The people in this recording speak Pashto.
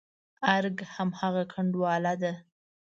ارګ هماغه کنډواله کلا ده.